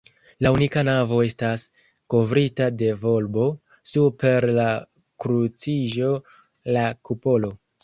La unika navo estas kovrita de volbo; super la kruciĝo, la kupolo.